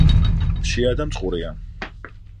მშია და მწყურია